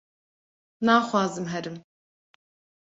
naxwazim herim